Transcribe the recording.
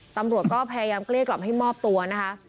ตำรวจก็พยายามเกลี้ยกล่อมให้มอบตัวนะคะ